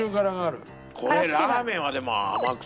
これラーメンはでも甘口？